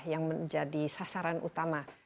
yang menjadi sasaran utama